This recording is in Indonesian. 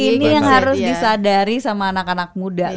ini yang harus disadari sama anak anak muda